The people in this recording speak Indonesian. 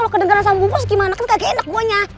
kalau kedengeran sama bubos gimana kan kaget enak pokoknya